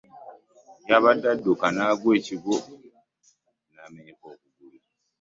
Yabadde aduka n'agwa ekigwo namenyeka okugulu.